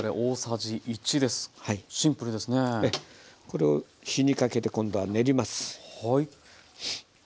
これを火にかけて今度は練ります。